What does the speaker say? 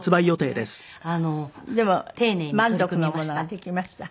でも満足のものができました？